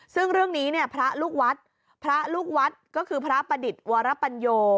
ซึ่งเรื่องนี้เนี่ยพระลูกวัดพระลูกวัดก็คือพระประดิษฐ์วรปัญโย